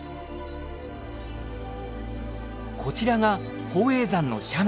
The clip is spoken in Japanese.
こちらが宝永山の斜面。